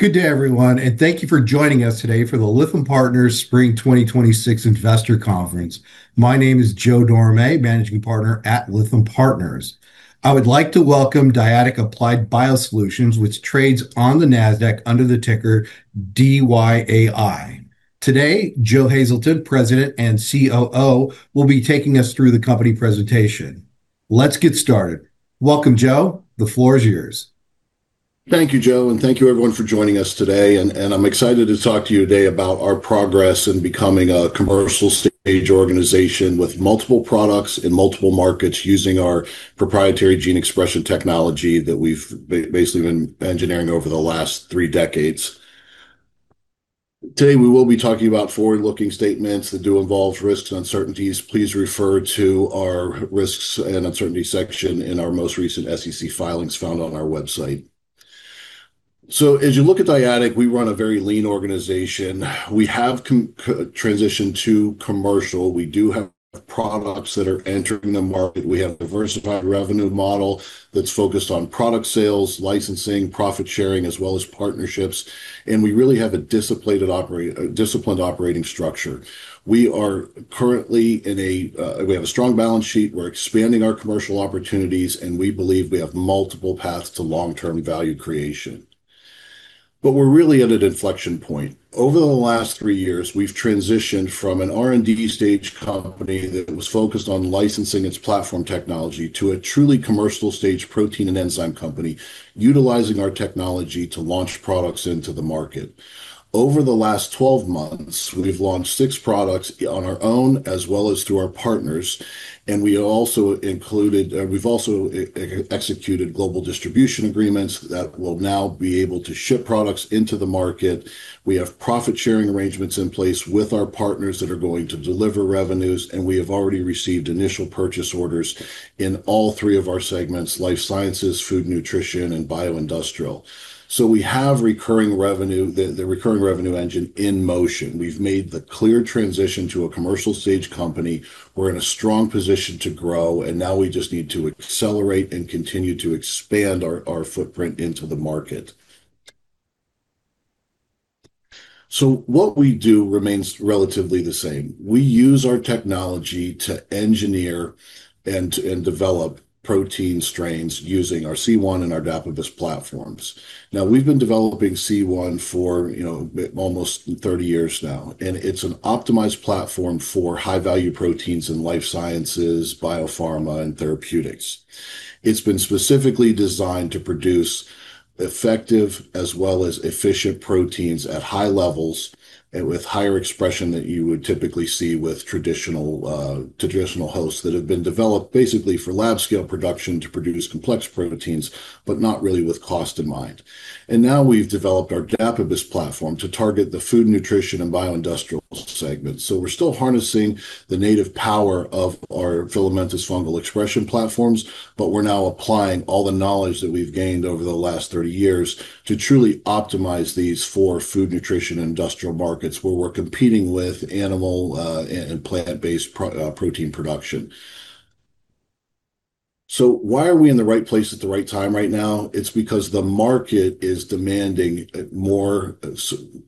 Good day, everyone, and thank you for joining us today for the Lytham Partners Spring 2026 Investor Conference. My name is Joe Dorame, Managing Partner at Lytham Partners. I would like to welcome Dyadic Applied BioSolutions, which trades on the NASDAQ under the ticker DYAI. Today, Joe Hazelton, President and COO, will be taking us through the company presentation. Let's get started. Welcome, Joe. The floor is yours. Thank you, Joe. Thank you, everyone, for joining us today. I'm excited to talk to you today about our progress in becoming a commercial stage organization with multiple products in multiple markets using our proprietary gene expression technology that we've basically been engineering over the last three decades. Today, we will be talking about forward-looking statements that do involve risks and uncertainties. Please refer to our risks and uncertainty section in our most recent SEC filings found on our website. As you look at Dyadic, we run a very lean organization. We have transitioned to commercial. We do have products that are entering the market. We have a diversified revenue model that's focused on product sales, licensing, profit sharing, as well as partnerships, and we really have a disciplined operating structure. We have a strong balance sheet. We're expanding our commercial opportunities, and we believe we have multiple paths to long-term value creation. We're really at an inflection point. Over the last three years, we've transitioned from an R&D stage company that was focused on licensing its platform technology to a truly commercial stage protein and enzyme company, utilizing our technology to launch products into the market. Over the last 12 months, we've launched six products on our own as well as to our partners, and we've also executed global distribution agreements that will now be able to ship products into the market. We have profit-sharing arrangements in place with our partners that are going to deliver revenues, and we have already received initial purchase orders in all three of our segments, life sciences, food nutrition, and bioindustrial. We have the recurring revenue engine in motion. We've made the clear transition to a commercial stage company. We're in a strong position to grow. Now we just need to accelerate and continue to expand our footprint into the market. What we do remains relatively the same. We use our technology to engineer and develop protein strains using our C1 and our Dapibus platforms. We've been developing C1 for almost 30 years now. It's an optimized platform for high-value proteins in life sciences, biopharma, and therapeutics. It's been specifically designed to produce effective as well as efficient proteins at high levels with higher expression than you would typically see with traditional hosts that have been developed basically for lab-scale production to produce complex proteins, not really with cost in mind. Now we've developed our Dapibus platform to target the food, nutrition, and bioindustrial segments. We're still harnessing the native power of our filamentous fungal expression platforms, but we're now applying all the knowledge that we've gained over the last 30 years to truly optimize these for food nutrition and industrial markets where we're competing with animal and plant-based protein production. Why are we in the right place at the right time right now? It's because the market is demanding more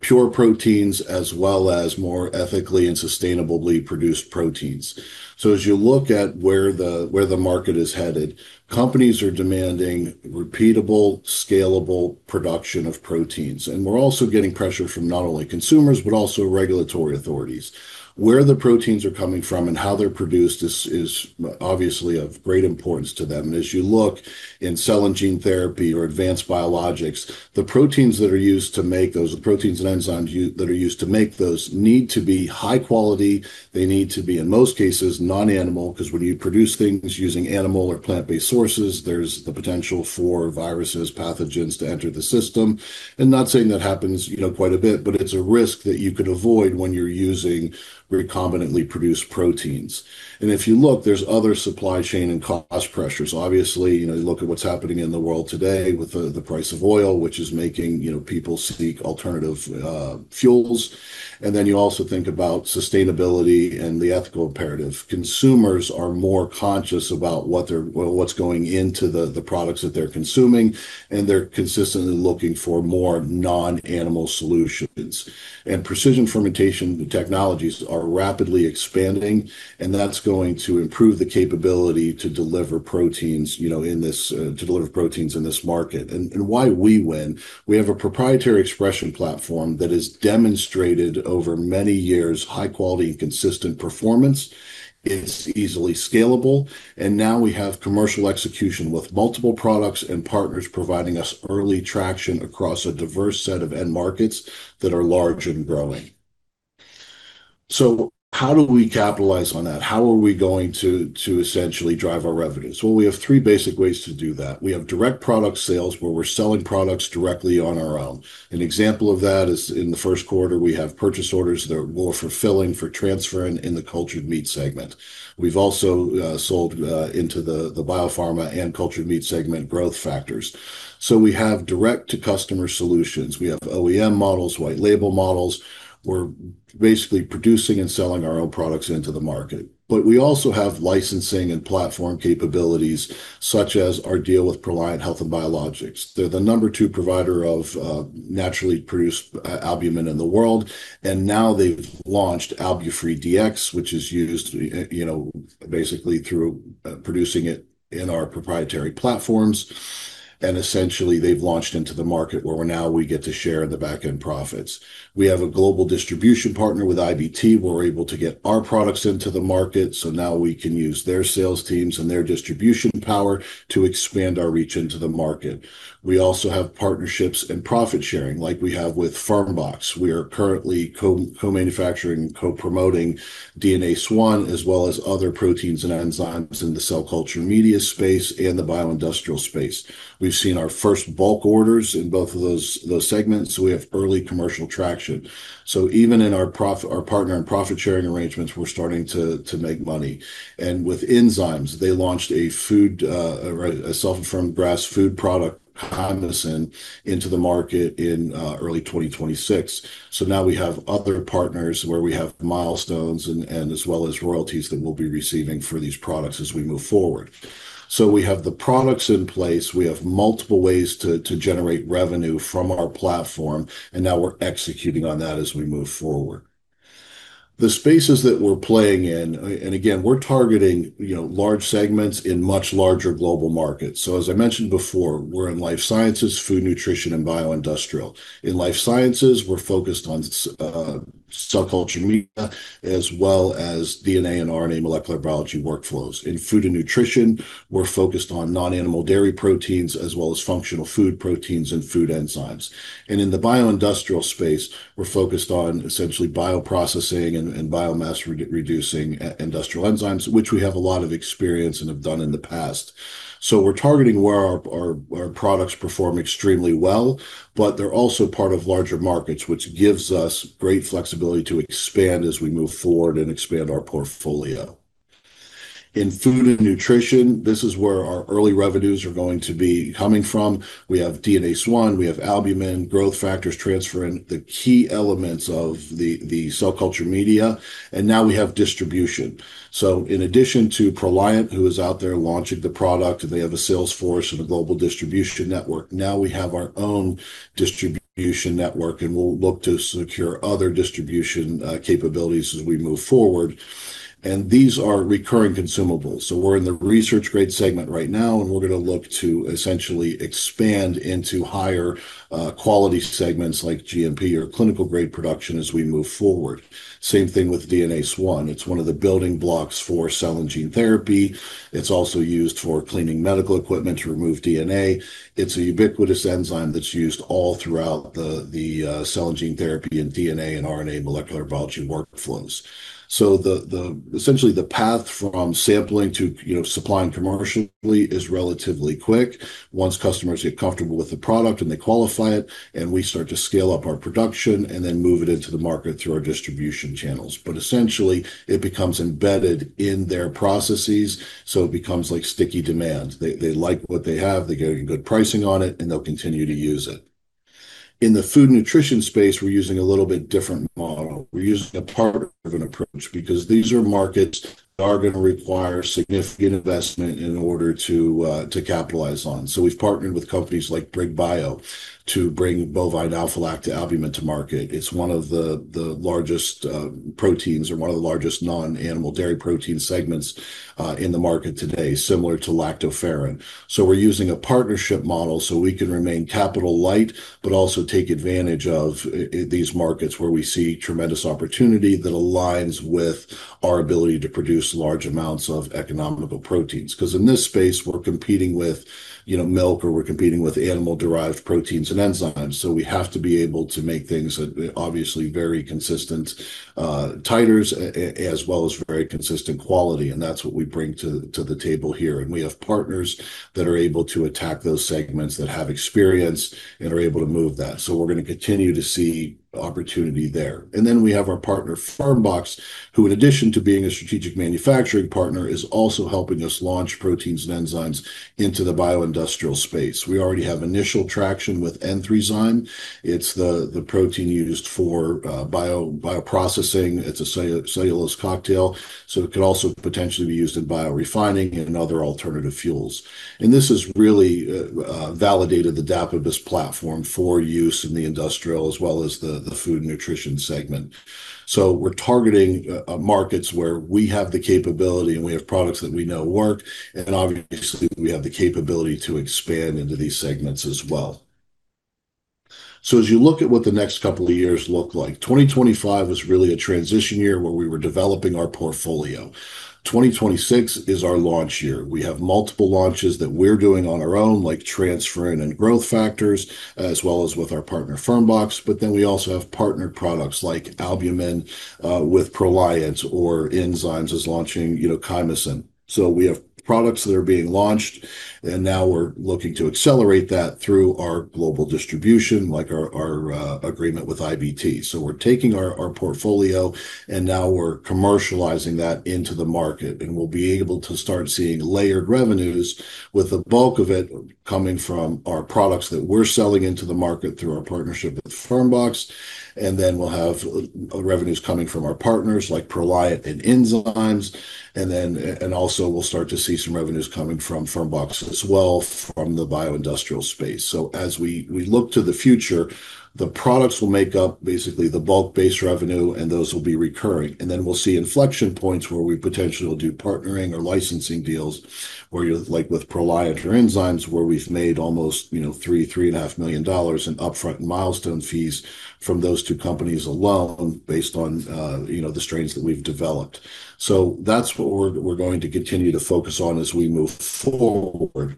pure proteins as well as more ethically and sustainably produced proteins. As you look at where the market is headed, companies are demanding repeatable, scalable production of proteins. We're also getting pressure from not only consumers, but also regulatory authorities. Where the proteins are coming from and how they're produced is obviously of great importance to them. As you look in cell and gene therapy or advanced biologics, the proteins that are used to make those, the proteins and enzymes that are used to make those need to be high quality. They need to be, in most cases, non-animal, because when you produce things using animal or plant-based sources, there's the potential for viruses, pathogens to enter the system. Not saying that happens quite a bit, but it's a risk that you could avoid when you're using recombinantly produced proteins. If you look, there's other supply chain and cost pressures. Obviously, you look at what's happening in the world today with the price of oil, which is making people seek alternative fuels. Then you also think about sustainability and the ethical imperative. Consumers are more conscious about what's going into the products that they're consuming, and they're consistently looking for more non-animal solutions. Precision fermentation technologies are rapidly expanding, and that's going to improve the capability to deliver proteins in this market. Why we win, we have a proprietary expression platform that has demonstrated over many years high quality and consistent performance. It's easily scalable, and now we have commercial execution with multiple products and partners providing us early traction across a diverse set of end markets that are large and growing. How do we capitalize on that? How are we going to essentially drive our revenues? We have three basic ways to do that. We have direct product sales, where we're selling products directly on our own. An example of that is in the first quarter, we have purchase orders that we're fulfilling for transferrin in the cultured meat segment. We've also sold into the biopharma and cultured meat segment growth factors. We have direct-to-customer solutions. We have OEM models, white label models. We're basically producing and selling our own products into the market. We also have licensing and platform capabilities, such as our deal with Proliant Health & Biologicals. They're the number two provider of naturally produced albumin in the world, and now they've launched AlbuFree DX, which is used basically through producing it in our proprietary platforms. Essentially, they've launched into the market where now we get to share in the back-end profits. We have a global distribution partner with IBT. We're able to get our products into the market, so now we can use their sales teams and their distribution power to expand our reach into the market. We also have partnerships and profit-sharing, like we have with Fermbox. We are currently co-manufacturing and co-promoting DNase I, as well as other proteins and enzymes in the cell culture media space and the bioindustrial space. We've seen our first bulk orders in both of those segments. We have early commercial traction, so even in our partner and profit-sharing arrangements, we're starting to make money. With Inzymes, they launched a self-affirmed GRAS food product, chymosin, into the market in early 2026. Now we have other partners where we have milestones and as well as royalties that we'll be receiving for these products as we move forward. We have the products in place. We have multiple ways to generate revenue from our platform, and now we're executing on that as we move forward. The spaces that we're playing in, and again, we're targeting large segments in much larger global markets. As I mentioned before, we're in life sciences, food, nutrition, and bioindustrial. In life sciences, we're focused on cell culture media, as well as DNA and RNA molecular biology workflows. In food and nutrition, we're focused on non-animal dairy proteins, as well as functional food proteins and food enzymes. In the bioindustrial space, we're focused on essentially bioprocessing and biomass-reducing industrial enzymes, which we have a lot of experience and have done in the past. We're targeting where our products perform extremely well, but they're also part of larger markets, which gives us great flexibility to expand as we move forward and expand our portfolio. In food and nutrition, this is where our early revenues are going to be coming from. We have DNase I, we have albumin, growth factors, transferrin, the key elements of the cell culture media, and now we have distribution. In addition to Proliant, who is out there launching the product, and they have a sales force and a global distribution network, now we have our own distribution network, and we'll look to secure other distribution capabilities as we move forward. These are recurring consumables. We're in the research-grade segment right now, and we're going to look to essentially expand into higher quality segments like GMP or clinical-grade production as we move forward. Same thing with DNase I. It's one of the building blocks for cell and gene therapy. It's also used for cleaning medical equipment to remove DNA. It's a ubiquitous enzyme that's used all throughout the cell and gene therapy and DNA and RNA molecular biology workflows. Essentially, the path from sampling to supplying commercially is relatively quick. Once customers get comfortable with the product and they qualify it, we start to scale up our production and then move it into the market through our distribution channels. Essentially, it becomes embedded in their processes, so it becomes like sticky demand. They like what they have, they're getting good pricing on it, they'll continue to use it. In the food and nutrition space, we're using a little bit different model. We're using a partner-driven approach because these are markets that are going to require significant investment in order to capitalize on. We've partnered with companies like BRIG BIO to bring bovine alpha-lactalbumin to market. It's one of the largest proteins or one of the largest non-animal dairy protein segments in the market today, similar to lactoferrin. We're using a partnership model so we can remain capital light, but also take advantage of these markets where we see tremendous opportunity that aligns with our ability to produce large amounts of economical proteins. In this space, we're competing with milk or we're competing with animal-derived proteins and enzymes. We have to be able to make things at obviously very consistent titers, as well as very consistent quality, and that's what we bring to the table here. We have partners that are able to attack those segments that have experience and are able to move that. We're going to continue to see opportunity there. We have our partner, Fermbox, who in addition to being a strategic manufacturing partner, is also helping us launch proteins and enzymes into the bioindustrial space. We already have initial traction with Enthrezyme. It's the protein used for bioprocessing. It's a cellulose cocktail. It could also potentially be used in biorefining and other alternative fuels. This has really validated the Dapibus platform for use in the industrial as well as the food and nutrition segment. We're targeting markets where we have the capability and we have products that we know work, and obviously we have the capability to expand into these segments as well. As you look at what the next couple of years look like, 2025 was really a transition year where we were developing our portfolio. 2026 is our launch year. We have multiple launches that we're doing on our own, like transferrin and growth factors, as well as with our partner, Fermbox. We also have partnered products like albumin, with Proliant. Inzymes is launching chymosin. We have products that are being launched, and now we're looking to accelerate that through our global distribution, like our agreement with IBT. We're taking our portfolio, and now we're commercializing that into the market, and we'll be able to start seeing layered revenues, with the bulk of it coming from our products that we're selling into the market through our partnership with Fermbox. Then we'll have revenues coming from our partners like Proliant and Inzymes. Also we'll start to see some revenues coming from Fermbox as well from the bioindustrial space. As we look to the future, the products will make up basically the bulk base revenue, and those will be recurring. We'll see inflection points where we potentially will do partnering or licensing deals where, like with Proliant or Inzymes, where we've made almost $3.5 million in upfront milestone fees from those two companies alone based on the strains that we've developed. That's what we're going to continue to focus on as we move forward.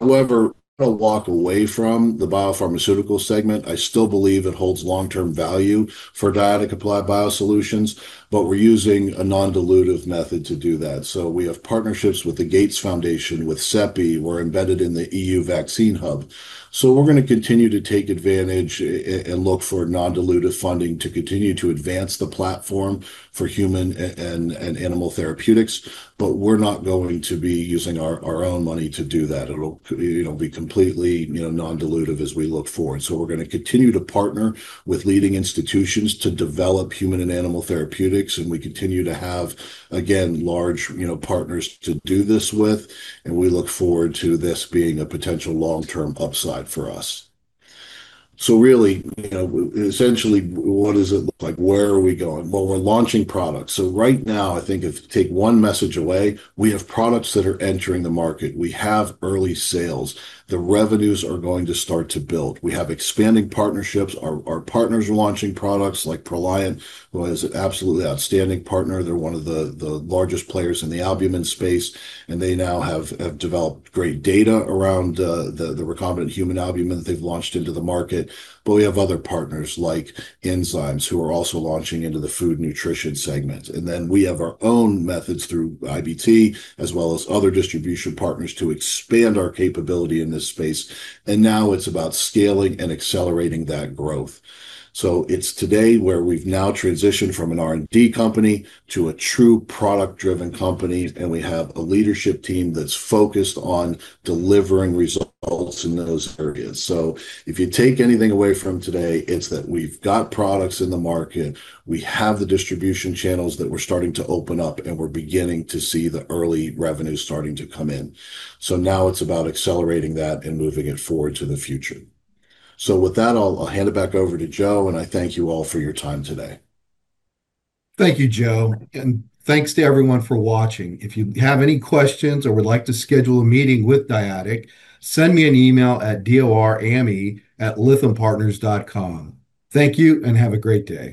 However, I'm not going to walk away from the biopharmaceutical segment. I still believe it holds long-term value for Dyadic Applied BioSolutions, but we're using a non-dilutive method to do that. We have partnerships with the Gates Foundation, with CEPI. We're embedded in the EU Vaccine Hub. We're going to continue to take advantage and look for non-dilutive funding to continue to advance the platform for human and animal therapeutics, but we're not going to be using our own money to do that. It'll be completely non-dilutive as we look forward. We're going to continue to partner with leading institutions to develop human and animal therapeutics, and we continue to have, again, large partners to do this with, and we look forward to this being a potential long-term upside for us. Really, essentially, what is it like? Where are we going? Well, we're launching products. Right now, I think if take one message away, we have products that are entering the market. We have early sales. The revenues are going to start to build. We have expanding partnerships. Our partners are launching products, like Proliant, who is an absolutely outstanding partner. They're one of the largest players in the albumin space, and they now have developed great data around the recombinant human albumin that they've launched into the market. We have other partners like Inzymes, who are also launching into the food and nutrition segment. We have our own methods through IBT as well as other distribution partners to expand our capability in this space. It's about scaling and accelerating that growth. Today where we've now transitioned from an R&D company to a true product-driven company, and we have a leadership team that's focused on delivering results in those areas. If you take anything away from today, it's that we've got products in the market, we have the distribution channels that we're starting to open up, and we're beginning to see the early revenues starting to come in. Now it's about accelerating that and moving it forward to the future. With that, I'll hand it back over to Joe, and I thank you all for your time today. Thank you, Joe. Thanks to everyone for watching. If you have any questions or would like to schedule a meeting with Dyadic, send me an email at dorame@lythampartners.com. Thank you, and have a great day.